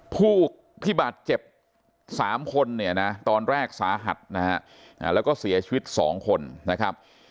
ผู้ที่บาดเจ็บ๓คนเนี่ยนะตอนแรกสาหัสนะฮะแล้วก็เสียชีวิต๒คนนะครับ